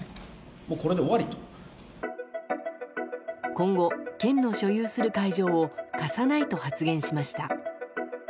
今後、県の所有する会場を貸さないと発言しました。